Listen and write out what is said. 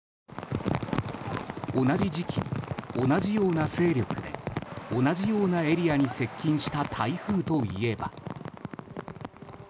同じ時期に同じような勢力で同じようなエリアに接近した台風といえば。